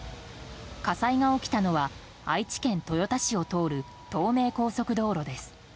火災が起きたのは愛知県豊田市を通る東名高速道路です。